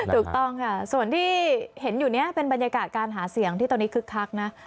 ถูกต้องค่ะส่วนที่เห็นอยู่นี้เป็นบรรยากาศการหาเสียงที่ตอนนี้คึกคักนะ